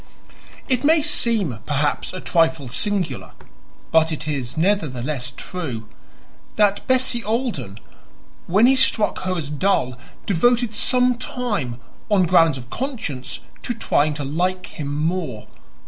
It may seem, perhaps, a trifle singular but it is nevertheless true that Bessie Alden, when he struck her as dull, devoted some time, on grounds of conscience, to trying to like him more.